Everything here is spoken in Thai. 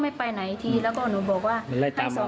หนูจะไปตามชาวบ้างแล้วช่วย